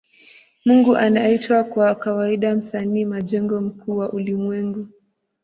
Mungu anaitwa kwa kawaida Msanii majengo mkuu wa ulimwengu.